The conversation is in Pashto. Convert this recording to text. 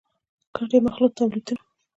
ګډ يا مخلوط ټابليټونه: